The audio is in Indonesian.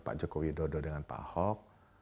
pak joko widodo dengan pak ahok